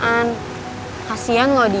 jangan biarin dia nunggu kelamaan